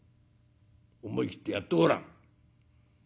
思い切ってやってごらん」。